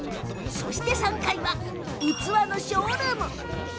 そして３階は、器のショールーム。